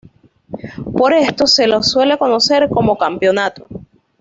Por esto se las suele conocer como campeonato.